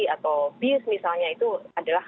atau bis misalnya itu adalah